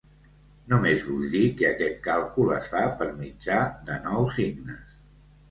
Només vull dir que aquest càlcul es fa per mitjà de nou signes.